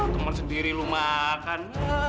teman sendiri lo makan